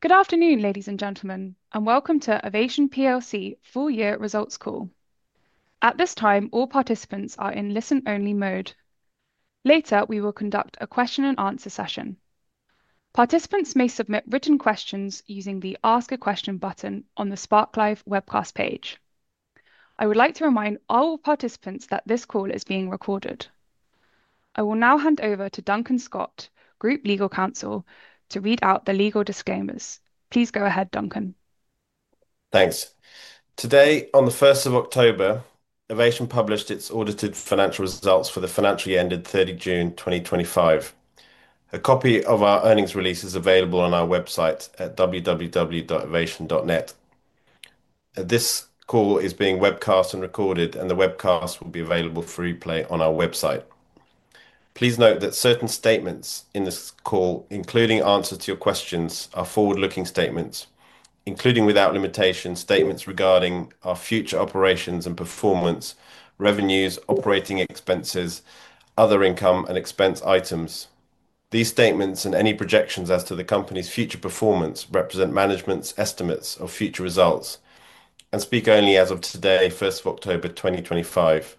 Good afternoon, ladies and gentlemen, and welcome to the Avation PLC full-year results call. At this time, all participants are in listen-only mode. Later, we will conduct a question-and-answer session. Participants may submit written questions using the Ask a Question button on the Spark Live webcast page. I would like to remind all participants that this call is being recorded. I will now hand over to Duncan Scott, Group Legal Counsel, to read out the legal disclaimers. Please go ahead, Duncan. Thanks. Today, on the 1st of October, Avation published its audited financial results for the financial year ended 30 June 2025. A copy of our earnings release is available on our website at www.avation.net. This call is being webcast and recorded, and the webcast will be available for replay on our website. Please note that certain statements in this call, including answers to your questions, are forward-looking statements, including without limitation statements regarding our future operations and performance, revenues, operating expenses, other income, and expense items. These statements and any projections as to the company's future performance represent management's estimates of future results, and speak only as of today, 1st of October 2025.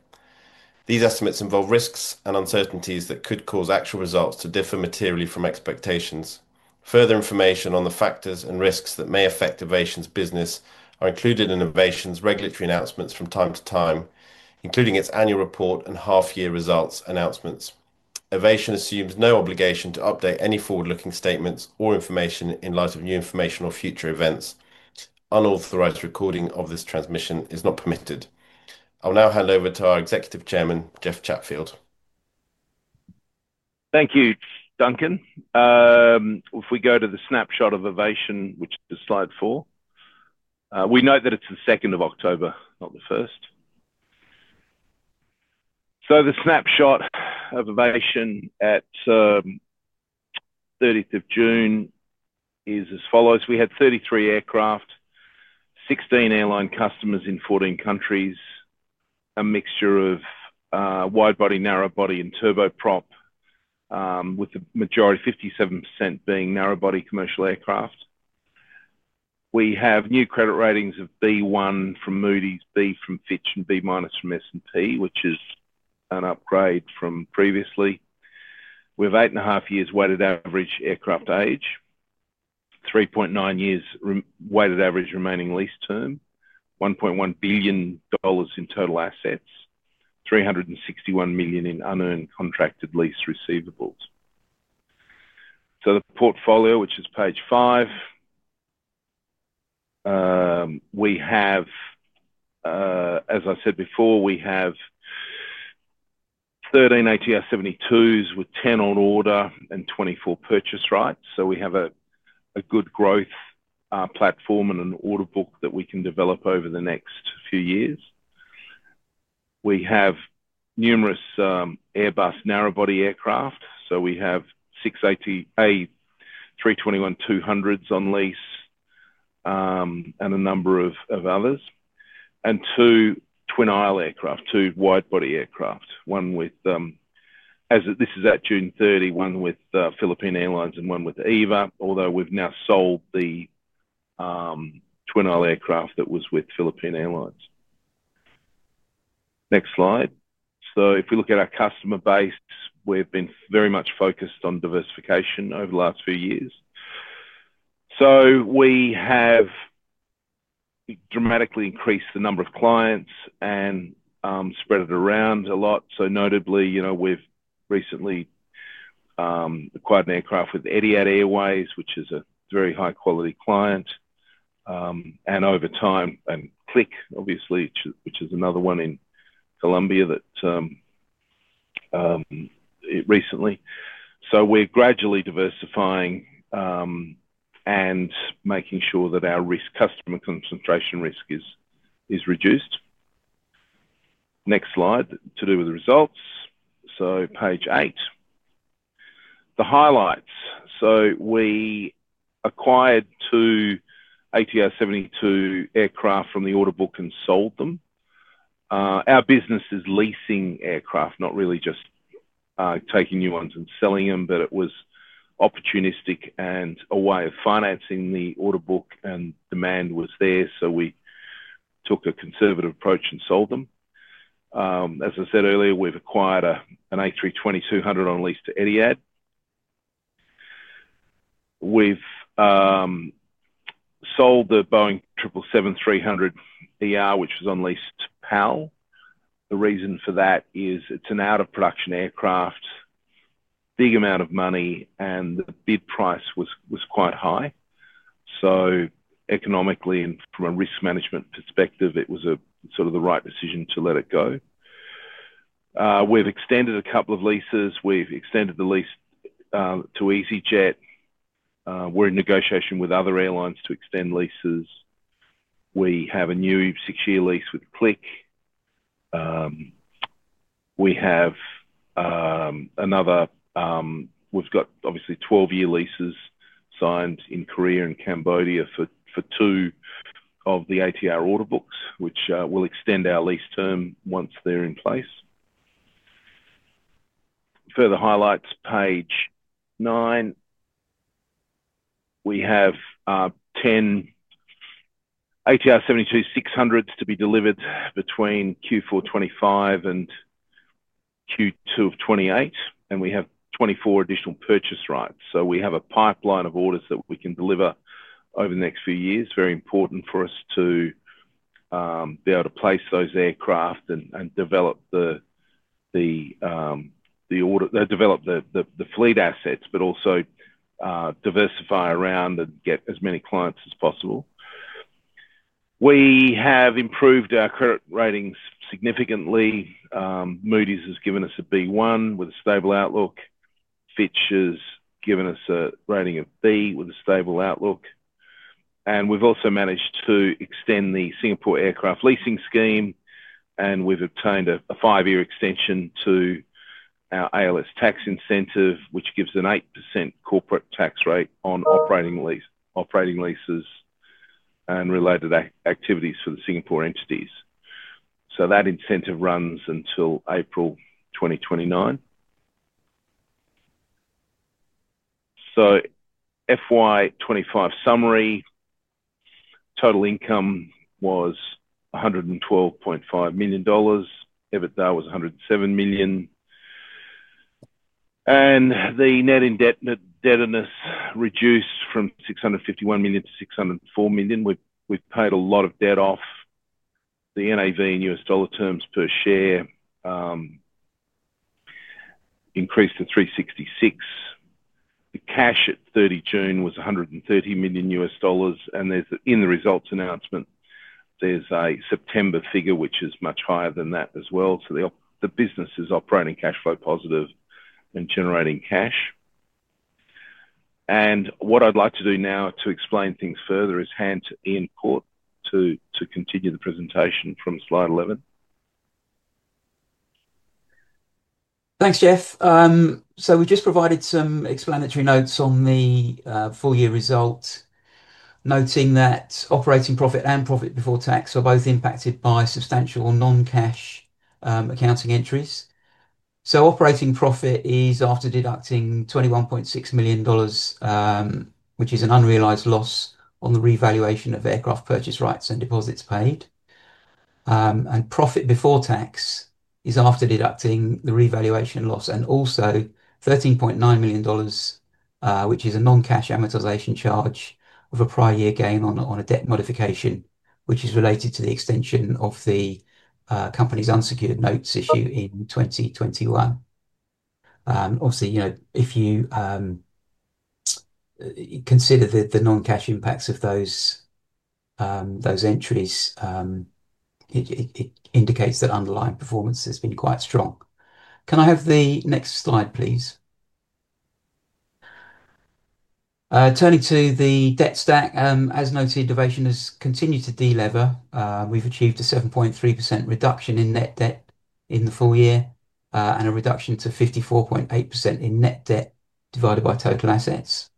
These estimates involve risks and uncertainties that could cause actual results to differ materially from expectations. Further information on the factors and risks that may affect Avation's business are included in Avation's regulatory announcements from time to time, including its annual report and half-year results announcements. Avation assumes no obligation to update any forward-looking statements or information in light of new information or future events. Unauthorized recording of this transmission is not permitted. I will now hand over to our Executive Chairman, Jeff Chatfield. Thank you, Duncan. If we go to the snapshot of Avation, which is slide four, we know that it's the 2nd of October, not the 1st. The snapshot of Avation at 30th of June is as follows: we had 33 aircraft, 16 airline customers in 14 countries, a mixture of wide-body, narrow-body, and turboprop, with the majority of 57% being narrow-body commercial aircraft. We have new credit ratings of B1 from Moody’s, B from Fitch, and B- from S&P, which is an upgrade from previously. We have 8.5 years weighted average aircraft age, 3.9 years weighted average remaining lease term, $1.1 billion in total assets, $361 million in unearned contracted lease receivables. The portfolio, which is page five, as I said before, we have 13 ATR 72-600s with 10 on order and 24 purchase rights. We have a good growth platform and an order book that we can develop over the next few years. We have numerous Airbus narrow-body aircraft. We have six A320-200s on lease and a number of others, and two twin-aisle aircraft, two wide-body aircraft, one with, as this is at June 30, one with Philippine Airlines and one with Avation PLC, although we've now sold the twin-aisle aircraft that was with Philippine Airlines. If we look at our customer base, we've been very much focused on diversification over the last few years. We have dramatically increased the number of clients and spread it around a lot. Notably, we've recently acquired an aircraft with Etihad Airways, which is a very high-quality client, and over time, and Clic Air, obviously, which is another one in Colombia that recently. We're gradually diversifying and making sure that our customer concentration risk is reduced. Next, to do with the results, page eight, the highlights. We acquired two ATR 72-600 aircraft from the order book and sold them. Our business is leasing aircraft, not really just taking new ones and selling them, but it was opportunistic and a way of financing the order book, and demand was there. We took a conservative approach and sold them. As I said earlier, we've acquired an A320-200 on lease to Etihad. We've sold the Boeing 777-300ER, which was on lease to Philippine Airlines. The reason for that is it's an out-of-production aircraft, a big amount of money, and the bid price was quite high. Economically and from a risk management perspective, it was the right decision to let it go. We've extended a couple of leases. We've extended the lease to EasyJet. We're in negotiation with other airlines to extend leases. We have a new six-year lease with Clic Air. We have another, we've got obviously 12-year leases signed in Korea and Cambodia for two of the ATR order books, which will extend our lease term once they're in place. Further highlights, page nine. We have 10 ATR 72-600s to be delivered between Q4 2025 and Q2 of 2028, and we have 24 additional purchase rights. We have a pipeline of orders that we can deliver over the next few years. Very important for us to be able to place those aircraft and develop the fleet assets, but also diversify around and get as many clients as possible. We have improved our credit ratings significantly. Moody’s has given us a B1 with a stable outlook. Fitch has given us a rating of B with a stable outlook. We've also managed to extend the Singapore Aircraft Leasing Scheme, and we've obtained a five-year extension to our ALS tax incentive, which gives an 8% corporate tax rate on operating leases and related activities for the Singapore entities. That incentive runs until April 2029. FY2025 summary, total income was $112.5 million. EBITDA was $107 million. The net indebtedness reduced from $651 million to $604 million. We've paid a lot of debt off. The NAV in U.S. dollar terms per share increased to $3.66. The cash at 30 June was $130 million. In the results announcement, there's a September figure which is much higher than that as well. The business is operating cash flow positive and generating cash. What I'd like to do now to explain things further is hand to Iain Cawte to continue the presentation from slide 11. Thanks, Jeff. We've just provided some explanatory notes on the full-year result, noting that operating profit and profit before tax are both impacted by substantial non-cash accounting entries. Operating profit is after deducting $21.6 million, which is an unrealized loss on the revaluation of aircraft purchase rights and deposits paid. Profit before tax is after deducting the revaluation loss and also $13.9 million, which is a non-cash amortization charge of a prior year gain on a debt modification, which is related to the extension of the company's unsecured notes issue in 2021. Obviously, if you consider the non-cash impacts of those entries, it indicates that underlying performance has been quite strong. Can I have the next slide, please? Turning to the debt stack, as noted, the duration has continued to delever. We've achieved a 7.3% reduction in net debt in the full year and a reduction to 54.8% in net debt divided by total assets.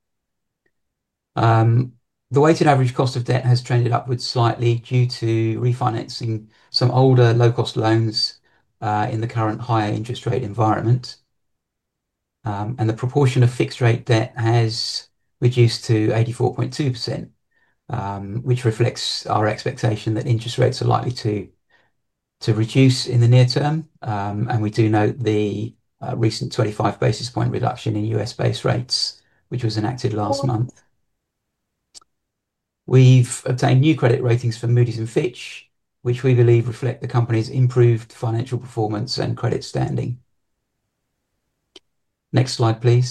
The weighted average cost of debt has trended upwards slightly due to refinancing some older low-cost loans in the current higher interest rate environment. The proportion of fixed-rate debt has reduced to 84.2%, which reflects our expectation that interest rates are likely to reduce in the near term. We do note the recent 25 basis point reduction in U.S. base rates, which was enacted last month. We've obtained new credit ratings from Moody’s and Fitch, which we believe reflect the company's improved financial performance and credit standing. Next slide, please.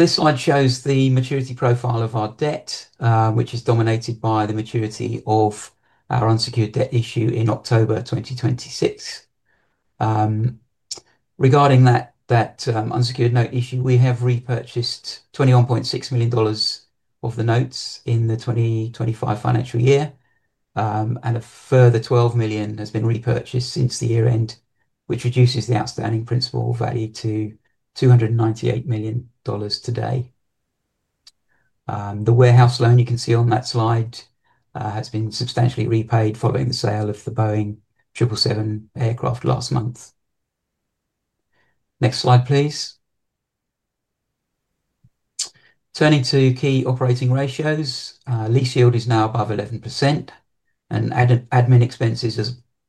This slide shows the maturity profile of our debt, which is dominated by the maturity of our unsecured debt issue in October 2026. Regarding that unsecured note issue, we have repurchased $21.6 million of the notes in the 2025 financial year, and a further $12 million has been repurchased since the year-end, which reduces the outstanding principal value to $298 million today. The warehouse loan you can see on that slide has been substantially repaid following the sale of the Boeing 777-300ER aircraft last month. Next slide, please. Turning to key operating ratios, lease yield is now above 11%, and admin expenses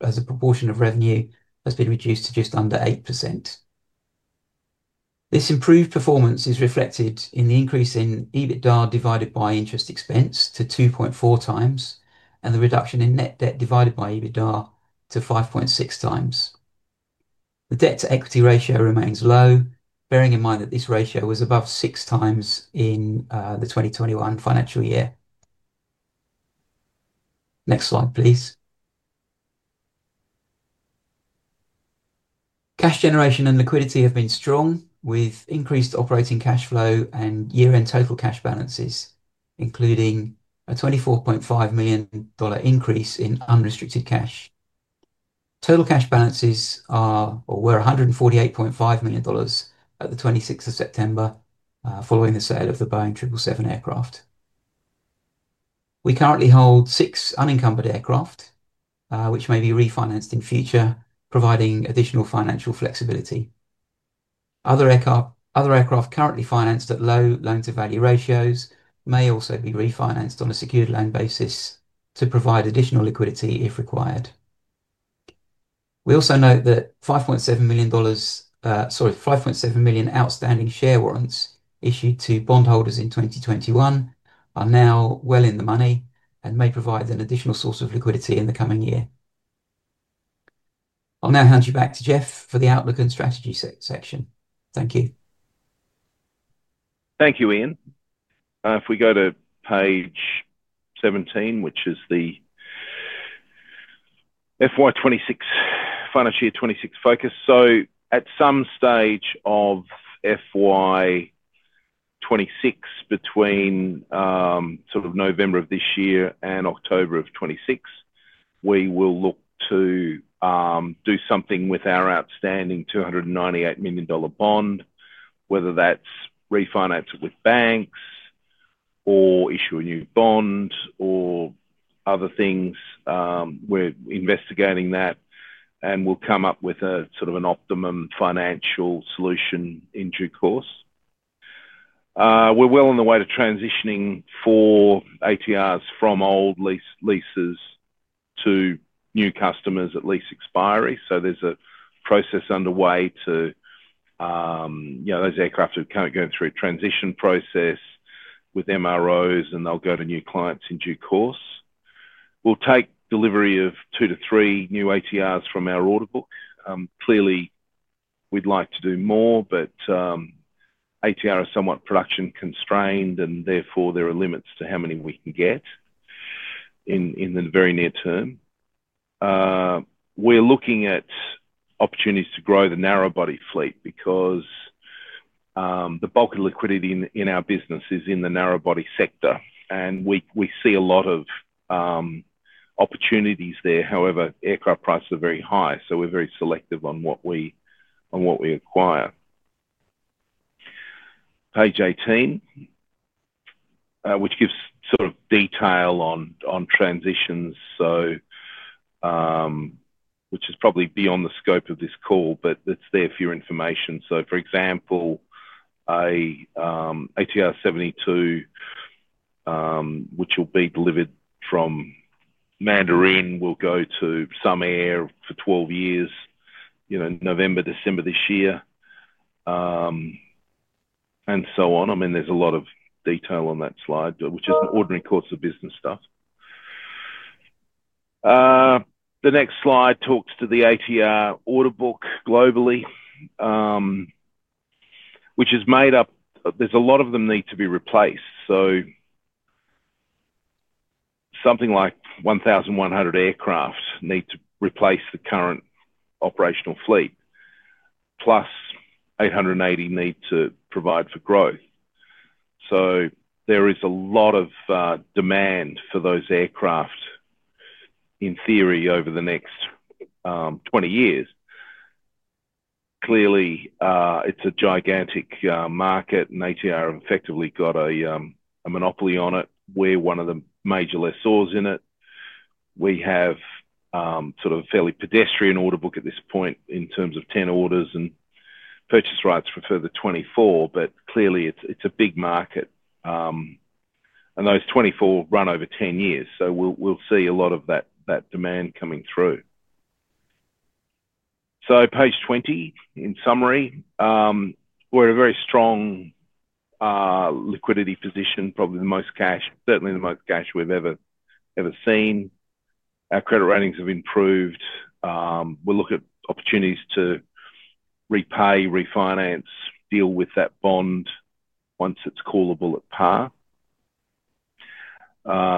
as a proportion of revenue have been reduced to just under 8%. This improved performance is reflected in the increase in EBITDA divided by interest expense to 2.4x, and the reduction in net debt divided by EBITDA to 5.6x. The debt-to-equity ratio remains low, bearing in mind that this ratio was above 6x in the 2021 financial year. Next slide, please. Cash generation and liquidity have been strong, with increased operating cash flow and year-end total cash balances, including a $24.5 million increase in unrestricted cash. Total cash balances were $148.5 million at the 26th of September following the sale of the Boeing 777-300ER aircraft. We currently hold six unencumbered aircraft, which may be refinanced in future, providing additional financial flexibility. Other aircraft currently financed at low loan-to-value ratios may also be refinanced on a secured loan basis to provide additional liquidity if required. We also note that $5.7 million outstanding share warrants issued to bondholders in 2021 are now well in the money and may provide an additional source of liquidity in the coming year. I'll now hand you back to Jeff for the outlook and strategy section. Thank you. Thank you, Ian. If we go to page 17, which is the FY 2026, financial year 2026 focus. At some stage of FY 2026, between sort of November of this year and October of 2026, we will look to do something with our outstanding $298 million bond, whether that's refinancing with banks or issuing a new bond or other things. We're investigating that and we'll come up with a sort of an optimum financial solution in due course. We're well on the way to transitioning four ATR 72-600s from old leases to new customers at lease expiry. There's a process underway; those aircraft are going through a transition process with MROs and they'll go to new clients in due course. We'll take delivery of two to three new ATR 72-600s from our order book. Clearly, we'd like to do more, but ATR 72-600s are somewhat production-constrained and therefore there are limits to how many we can get in the very near term. We're looking at opportunities to grow the narrow-body fleet because the bulk of liquidity in our business is in the narrow-body sector and we see a lot of opportunities there. However, aircraft prices are very high, so we're very selective on what we acquire. Page 18 gives detail on transitions, which is probably beyond the scope of this call, but it's there for your information. For example, an ATR 72-600, which will be delivered from Mandarin, will go to Clic Air for 12 years in November or December this year, and so on. There's a lot of detail on that slide, which is ordinary course of business stuff. The next slide talks to the ATR 72-600 order book globally, which is made up. There are a lot of them that need to be replaced. Something like 1,100 aircraft need to replace the current operational fleet, plus 880 need to provide for growth. There is a lot of demand for those aircraft in theory over the next 20 years. Clearly, it's a gigantic market and ATR have effectively got a monopoly on it. We're one of the major lessors in it. We have a fairly pedestrian order book at this point in terms of 10 orders and purchase rights for a further 24, but clearly it's a big market and those 24 run over 10 years. We'll see a lot of that demand coming through. Page 20, in summary, we're in a very strong liquidity position, probably the most cash, certainly the most cash we've ever seen. Our credit ratings have improved. We'll look at opportunities to repay, refinance, deal with that bond once it's callable at par.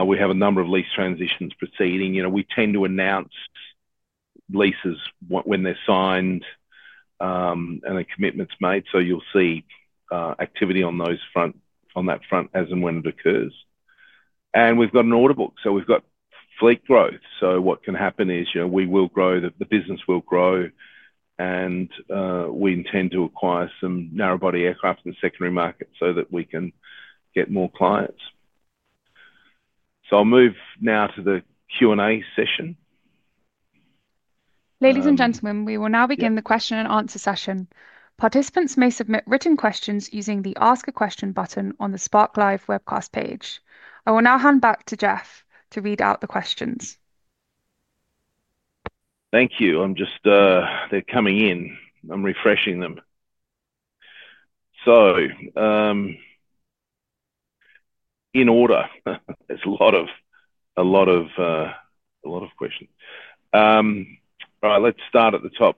We have a number of lease transitions proceeding. We tend to announce leases when they're signed and the commitments made. You'll see activity on that front as and when it occurs. We've got an order book, so we've got fleet growth. What can happen is, we will grow, the business will grow, and we intend to acquire some narrow-body aircraft in the secondary market so that we can get more clients. I'll move now to the Q&A session. Ladies and gentlemen, we will now begin the question and answer session. Participants may submit written questions using the Ask a Question button on the Spark Live webcast page. I will now hand back to Jeff to read out the questions. Thank you. I'm just, they're coming in. I'm refreshing them. In order, there's a lot of questions. All right, let's start at the top.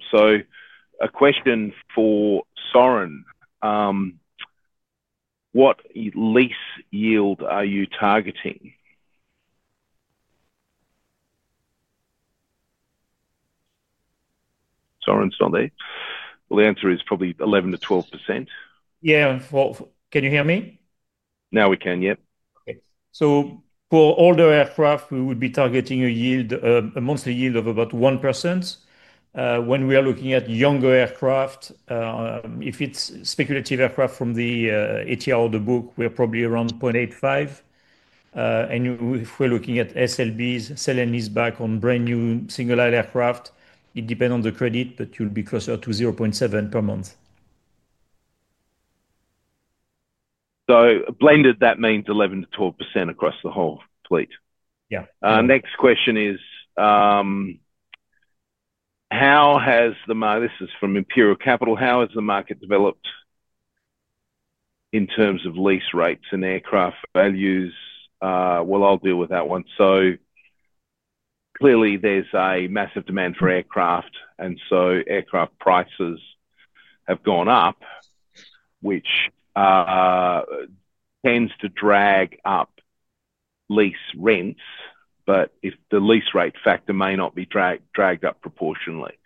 A question for Soeren. What lease yield are you targeting? Soeren, still there? The answer is probably 11%-12%. Yeah, can you hear me? Now we can, yep. Okay. For older aircraft, we would be targeting a yield, a monthly yield of about 1%. When we are looking at younger aircraft, if it's speculative aircraft from the ATR order book, we're probably around 0.85%. If we're looking at SLBs, selling these back on brand new single-aisle aircraft, it depends on the credit, but you'll be closer to 0.7% per month. Blended, that means 11%-12% across the whole fleet. Yeah. Next question is, how has the market, this is from Imperial Capital, how has the market developed in terms of lease rates and aircraft values? I'll deal with that one. Clearly, there's a massive demand for aircraft, and aircraft prices have gone up, which tends to drag up lease rents, but the lease rate factor may not be dragged up proportionately.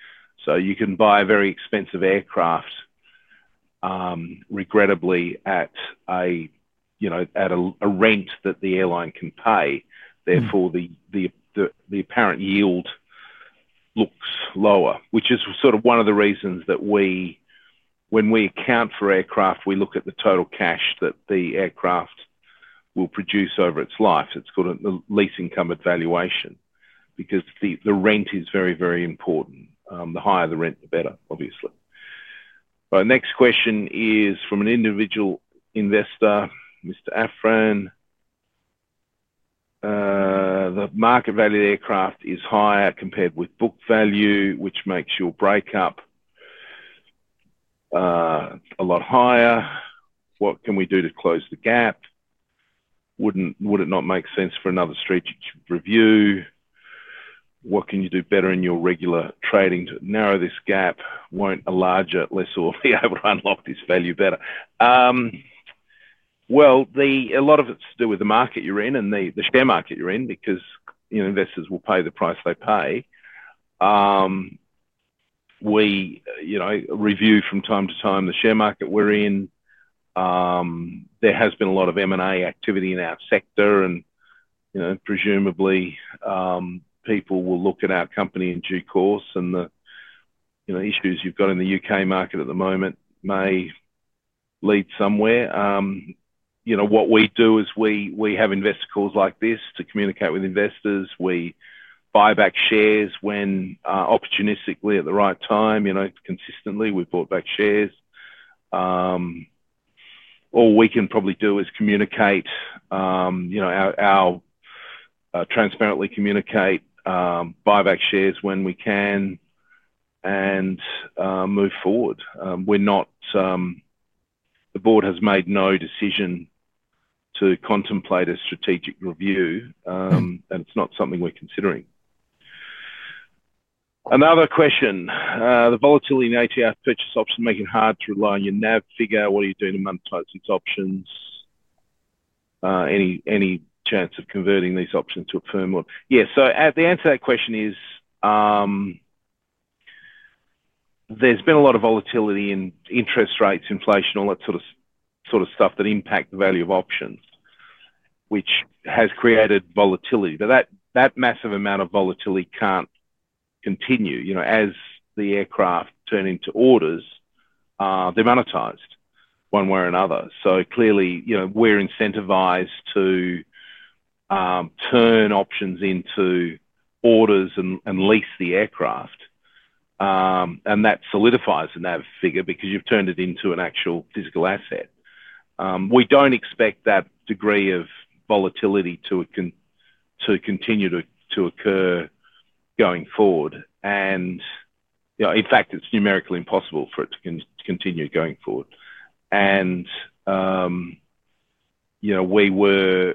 You can buy a very expensive aircraft, regrettably, at a rent that the airline can pay. Therefore, the apparent yield looks lower, which is sort of one of the reasons that we, when we account for aircraft, we look at the total cash that the aircraft will produce over its life. It's called the lease incumbent valuation because the rent is very, very important. The higher the rent, the better, obviously. Next question is from an individual investor, Mr. Afran. The market value of aircraft is higher compared with book value, which makes your breakup a lot higher. What can we do to close the gap? Would it not make sense for another strategic review? What can you do better in your regular trading to narrow this gap? Won't a larger lessor be able to unlock this value better? A lot of it's to do with the market you're in and the share market you're in because investors will pay the price they pay. We review from time to time the share market we're in. There has been a lot of M&A activity in our sector and presumably, people will look at our company in due course and the issues you've got in the UK market at the moment may lead somewhere. What we do is we have investor calls like this to communicate with investors. We buy back shares opportunistically at the right time, consistently we bought back shares. All we can probably do is transparently communicate, buy back shares when we can and move forward. The board has made no decision to contemplate a strategic review and it's not something we're considering. Another question. The volatility in ATR purchase options make it hard to rely on your NAV figure. What are you doing to monetize these options? Any chance of converting these options to a firm? The answer to that question is there's been a lot of volatility in interest rates, inflation, all that sort of stuff that impacts the value of options, which has created volatility. That massive amount of volatility can't continue. You know, as the aircraft turn into orders, they're monetized one way or another. Clearly, we're incentivized to turn options into orders and lease the aircraft. That solidifies the NAV figure because you've turned it into an actual physical asset. We don't expect that degree of volatility to continue to occur going forward. In fact, it's numerically impossible for it to continue going forward. We were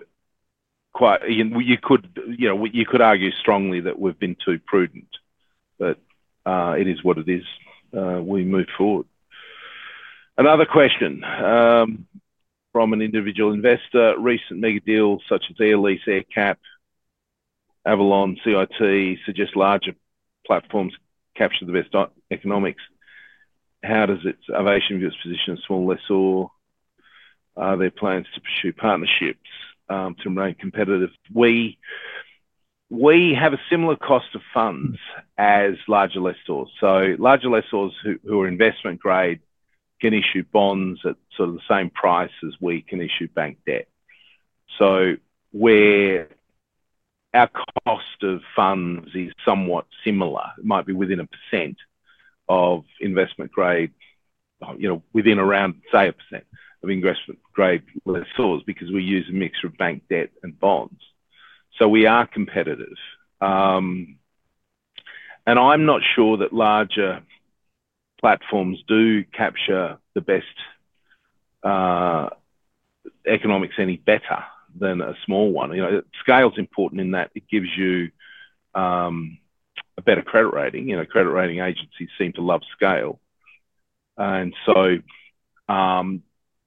quite, you could argue strongly that we've been too prudent, but it is what it is. We move forward. Another question from an individual investor. Recent mega deals such as AirLease, AirCap, Avalon, CIT suggest larger platforms capture the best economics. How does Avation view its position as a small lessor? Are there plans to pursue partnerships to remain competitive? We have a similar cost of funds as larger lessors. Larger lessors who are investment-grade can issue bonds at sort of the same price as we can issue bank debt. Where our cost of funds is somewhat similar, it might be within a % of investment-grade, within around, say, a % of investment-grade lessors because we use a mixture of bank debt and bonds. We are competitive. I'm not sure that larger platforms do capture the best economics any better than a small one. Scale is important in that it gives you a better credit rating. Credit rating agencies seem to love scale.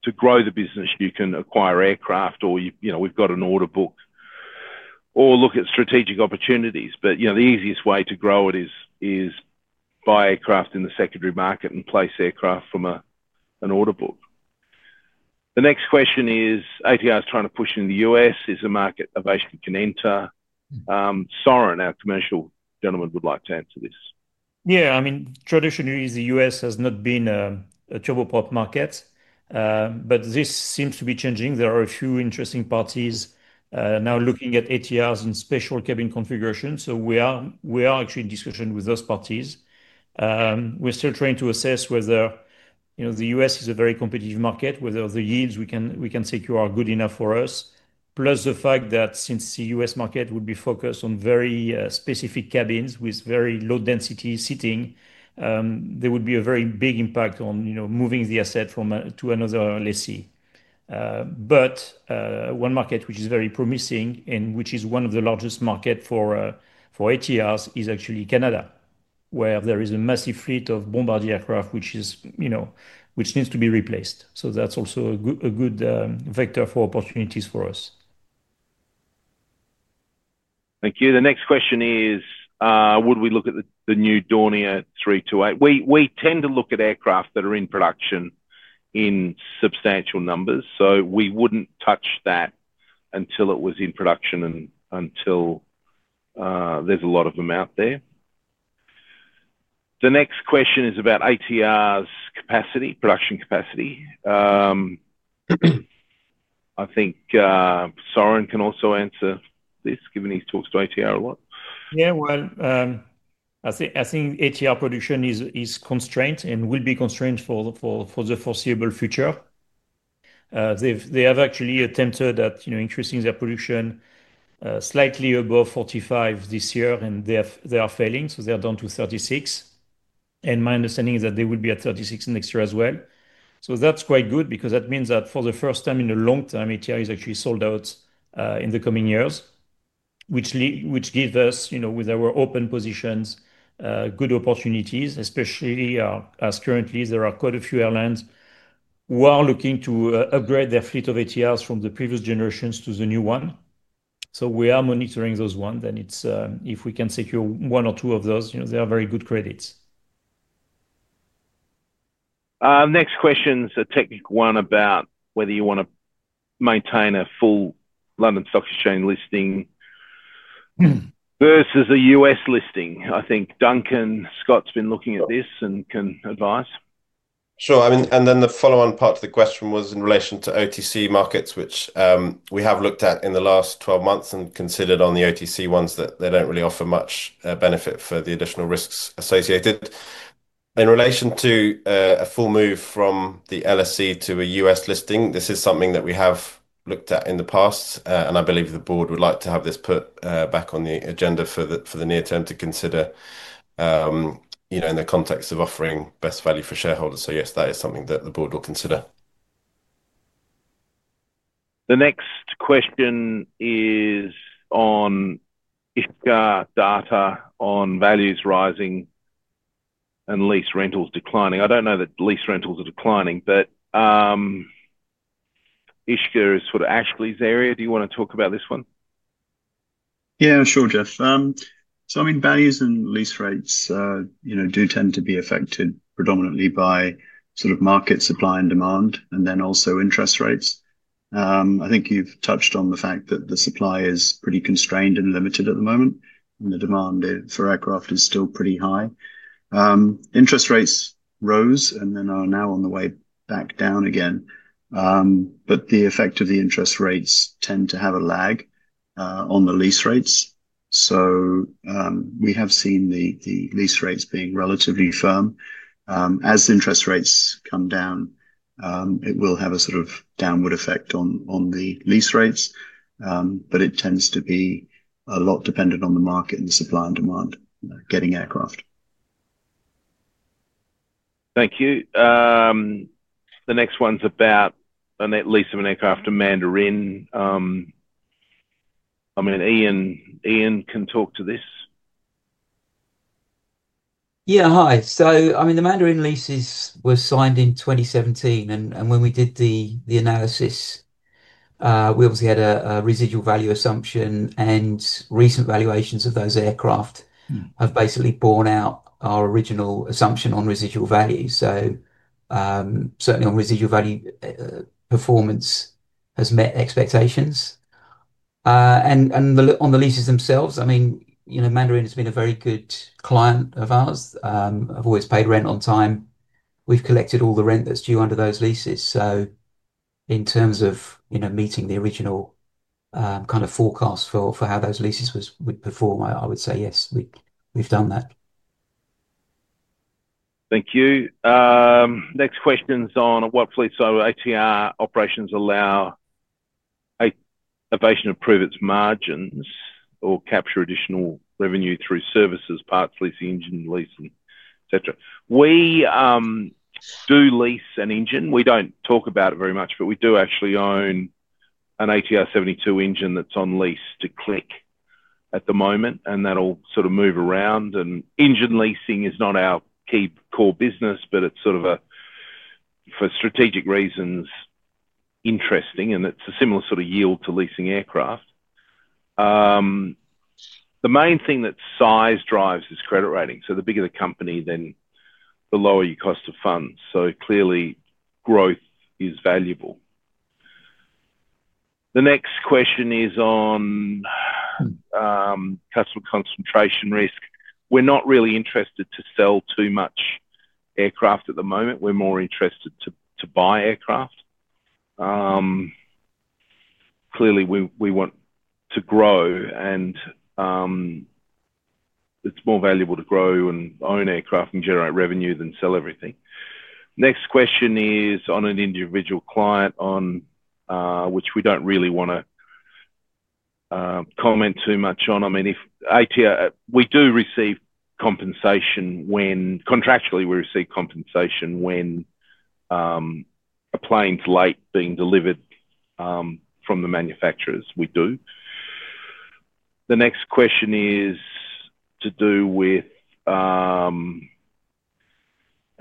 To grow the business, you can acquire aircraft or, we've got an order book or look at strategic opportunities. The easiest way to grow it is buy aircraft in the secondary market and place aircraft from an order book. The next question is, ATR is trying to push in the U.S. Is it a market Avation can enter? Soeren, our commercial gentleman would like to answer this. Yeah, I mean, traditionally, the U.S. has not been a turboprop market, but this seems to be changing. There are a few interesting parties now looking at ATRs and special cabin configurations. We are actually in discussion with those parties. We're still trying to assess whether the U.S. is a very competitive market, whether the yields we can secure are good enough for us. Plus the fact that since the U.S. market would be focused on very specific cabins with very low density seating, there would be a very big impact on moving the asset to another lessee. One market which is very promising and which is one of the largest markets for ATRs is actually Canada, where there is a massive fleet of Bombardier aircraft, which needs to be replaced. That's also a good vector for opportunities for us. Thank you. The next question is, would we look at the new Dornier 328? We tend to look at aircraft that are in production in substantial numbers. We wouldn't touch that until it was in production and until there's a lot of them out there. The next question is about ATR's capacity, production capacity. I think Soeren can also answer this, given he's talked to ATR a lot. I think ATR production is constrained and will be constrained for the foreseeable future. They have actually attempted at increasing their production slightly above 45 this year, and they are failing, so they are down to 36. My understanding is that they will be at 36 next year as well. That's quite good because that means that for the first time in a long time, ATR is actually sold out in the coming years, which gives us, you know, with our open positions, good opportunities, especially as currently there are quite a few airlines who are looking to upgrade their fleet of ATRs from the previous generations to the new one. We are monitoring those ones, and if we can secure one or two of those, you know, they are very good credits. Next question is a technical one about whether you want to maintain a full London Stock Exchange listing versus a U.S. listing. I think Duncan Scott's been looking at this and can advise. Sure. I mean, the follow-on part of the question was in relation to OTC markets, which we have looked at in the last 12 months and considered. On the OTC ones, they don't really offer much benefit for the additional risks associated. In relation to a full move from the LSE to a U.S. listing, this is something that we have looked at in the past and I believe the board would like to have this put back on the agenda for the near term to consider, you know, in the context of offering best value for shareholders. Yes, that is something that the board will consider. The next question is on Ishkar data on values rising and lease rentals declining. I don't know that lease rentals are declining, but Ishkar is sort of Ashley's area. Do you want to talk about this one? Yeah, sure Jeff. Values and lease rates do tend to be affected predominantly by sort of market supply and demand, and then also interest rates. I think you've touched on the fact that the supply is pretty constrained and limited at the moment, and the demand for aircraft is still pretty high. Interest rates rose and are now on the way back down again, but the effect of the interest rates tends to have a lag on the lease rates. We have seen the lease rates being relatively firm. As interest rates come down, it will have a sort of downward effect on the lease rates, but it tends to be a lot dependent on the market and the supply and demand getting aircraft. Thank you. The next one's about a net lease of an aircraft to Mandarin. Ian can talk to this. Yeah, hi. The Mandarin leases were signed in 2017, and when we did the analysis, we obviously had a residual value assumption, and recent valuations of those aircraft have basically borne out our original assumption on residual value. Certainly, on residual value, performance has met expectations. On the leases themselves, Mandarin has been a very good client of ours. They've always paid rent on time. We've collected all the rent that's due under those leases. In terms of meeting the original kind of forecast for how those leases would perform, I would say yes, we've done that. Thank you. Next question's on what fleets or ATR operations allow Avation to prove its margins or capture additional revenue through services, parts, lease, engine lease, etc. We do lease an engine. We don't talk about it very much, but we do actually own an ATR 72 engine that's on lease to Clic Air at the moment and that'll sort of move around. Engine leasing is not our key core business, but it's sort of, for strategic reasons, interesting and it's a similar sort of yield to leasing aircraft. The main thing that size drives is credit rating. The bigger the company, then the lower your cost of funds. Clearly, growth is valuable. The next question is on customer concentration risk. We're not really interested to sell too much aircraft at the moment. We're more interested to buy aircraft. Clearly, we want to grow and it's more valuable to grow and own aircraft and generate revenue than sell everything. Next question is on an individual client, which we don't really want to comment too much on. If we do receive compensation when, contractually, we receive compensation when a plane's late being delivered from the manufacturers, we do. The next question is to do with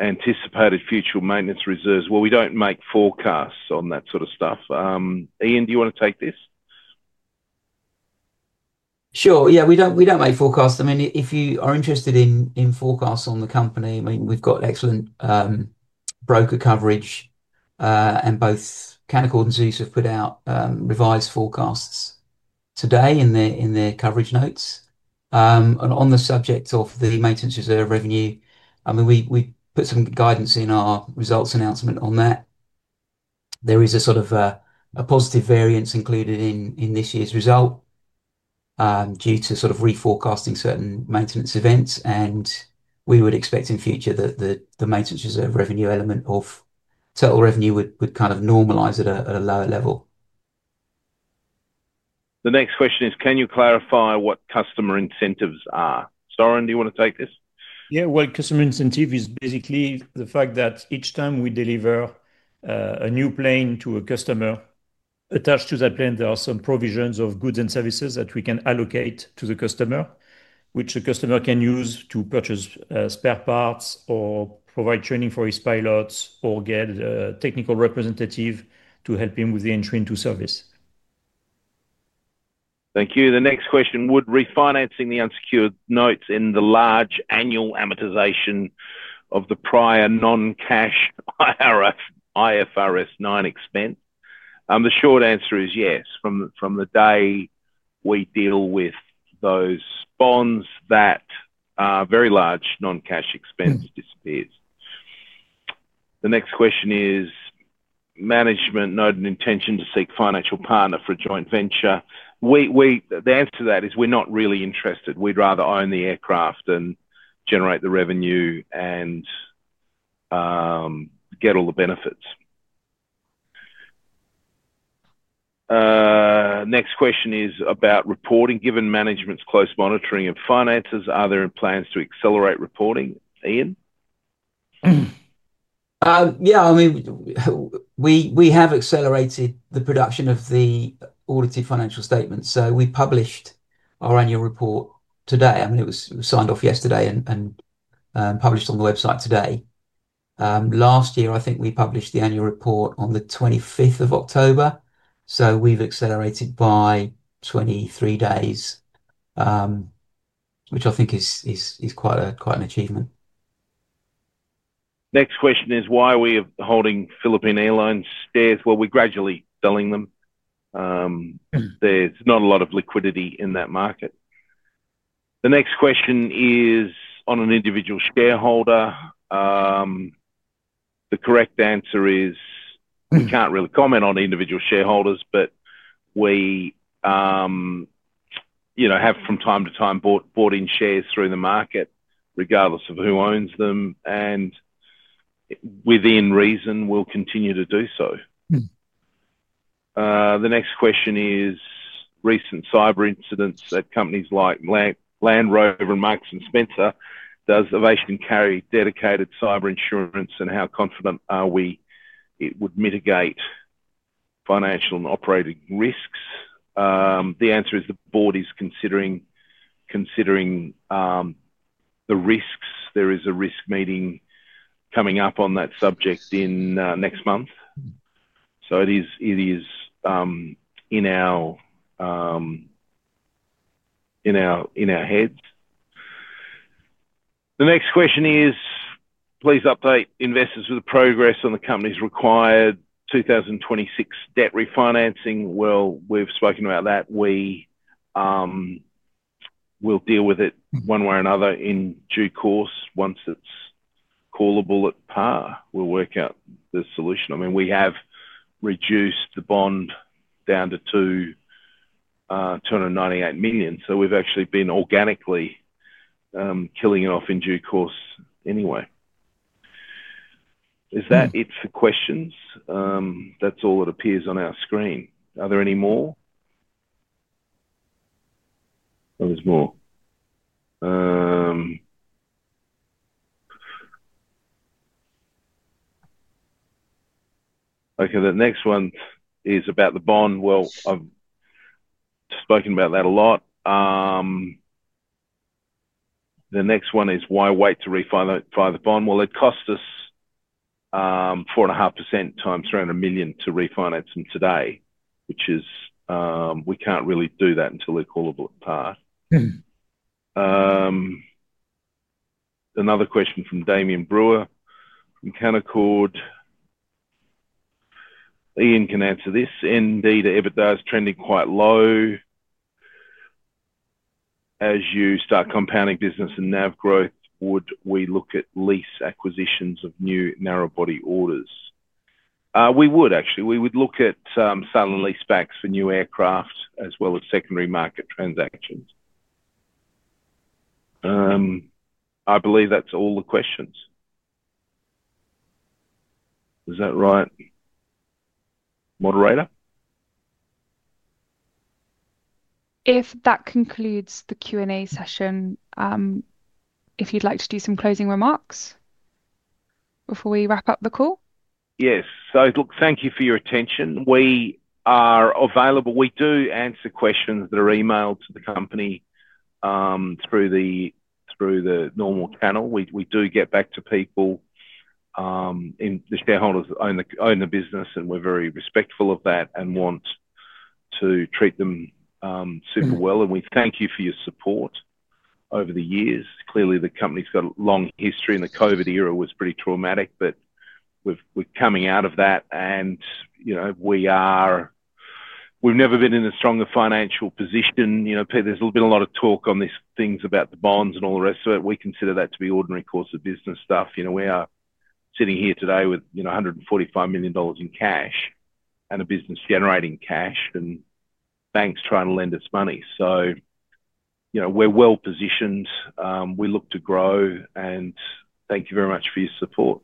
anticipated future maintenance reserves. We don't make forecasts on that sort of stuff. Ian, do you want to take this? Sure. Yeah, we don't make forecasts. If you are interested in forecasts on the company, we've got excellent broker coverage and both Canaccord and Zeus have put out revised forecasts today in their coverage notes. On the subject of the maintenance reserve revenue, we put some guidance in our results announcement on that. There is a sort of a positive variance included in this year's result due to re-forecasting certain maintenance events. We would expect in the future that the maintenance reserve revenue element of total revenue would kind of normalize at a lower level. The next question is, can you clarify what customer incentives are? Soeren, do you want to take this? Customer incentive is basically the fact that each time we deliver a new plane to a customer, attached to that plane, there are some provisions of goods and services that we can allocate to the customer, which a customer can use to purchase spare parts or provide training for his pilots or get a technical representative to help him with the entry into service. Thank you. The next question, would refinancing the unsecured notes end the large annual amortization of the prior non-cash IFRS 9 expense? The short answer is yes. From the day we deal with those bonds, that very large non-cash expense disappears. The next question is, management noted an intention to seek a financial partner for a joint venture. The answer to that is we're not really interested. We'd rather own the aircraft and generate the revenue and get all the benefits. Next question is about reporting. Given management's close monitoring of finances, are there plans to accelerate reporting? Ian? Yeah, I mean, we have accelerated the production of the audited financial statements. We published our annual report today. It was signed off yesterday and published on the website today. Last year, I think we published the annual report on the 25th of October. We've accelerated by 23 days, which I think is quite an achievement. Next question is, why are we holding Philippine Airlines' debt? We're gradually selling them. There's not a lot of liquidity in that market. The next question is on an individual shareholder. The correct answer is we can't really comment on individual shareholders, but we, you know, have from time to time bought in shares through the market regardless of who owns them. Within reason, we'll continue to do so. The next question is recent cyber incidents at companies like Land Rover and Marks and Spencer. Does Avation carry dedicated cyber insurance and how confident are we it would mitigate financial and operating risks? The answer is the board is considering the risks. There is a risk meeting coming up on that subject next month. It is in our heads. The next question is, please update investors with the progress on the company's required 2026 debt refinancing. We've spoken about that. We will deal with it one way or another in due course. Once it's callable at par, we'll work out the solution. I mean, we have reduced the bond down to $298 million. We've actually been organically killing it off in due course anyway. Is that it for questions? That's all that appears on our screen. Are there any more? Oh, there's more. The next one is about the bond. I've spoken about that a lot. The next one is, why wait to refinance the bond? It cost us 4.5% times $300 million to refinance them today, which is we can't really do that until they're callable at par. Another question from Damian Brewer in Canaccord. Ian can answer this. Indeed, if it does, trending quite low. As you start compounding business and NAV growth, would we look at lease acquisitions of new narrow-body orders? We would, actually. We would look at sudden leasebacks for new aircraft as well as secondary market transactions. I believe that's all the questions. Is that right? Moderator? If that concludes the Q&A session, if you'd like to do some closing remarks before we wrap up the call? Yes. Thank you for your attention. We are available. We do answer questions that are emailed to the company through the normal channel. We do get back to people. The shareholders own the business and we're very respectful of that and want to treat them super well. We thank you for your support over the years. Clearly, the company's got a long history and the COVID era was pretty traumatic, but we're coming out of that and we've never been in a stronger financial position. There's been a lot of talk on these things about the bonds and all the rest of it. We consider that to be ordinary course of business stuff. We are sitting here today with $145 million in cash and a business generating cash and banks trying to lend us money. We're well positioned. We look to grow and thank you very much for your support.